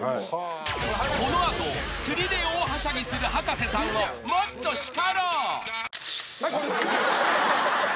［この後釣りで大はしゃぎする葉加瀬さんをもっと叱ろう］